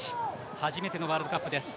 初めてのワールドカップです。